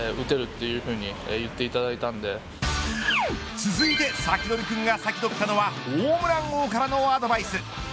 続いてサキドリくんが先取ったのはホームラン王からのアドバイス。